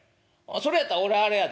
「それやったら俺あれやで。